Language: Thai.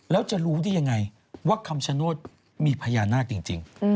แล้วจะรู้ได้ยังไงว่าคำชโนธมีพญานาคจริง